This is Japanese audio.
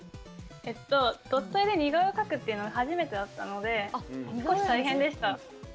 ドットで、似顔絵を描くのは初めてだったので大変でした。